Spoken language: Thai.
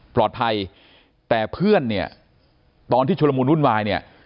ปลอดภัยแต่เพื่อนเนี่ยตอนที่ชุลมูลวุ่นวายเนี่ย